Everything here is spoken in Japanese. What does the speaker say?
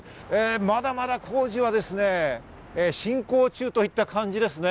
まだまだ工事は進行中といった感じですね。